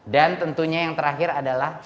tentunya yang terakhir adalah